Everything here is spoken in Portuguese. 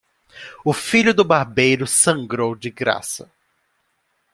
O filho do barbeiro sangrou de graça.